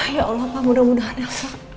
ya allah pak mudah mudahan elsa